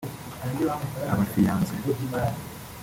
abafiance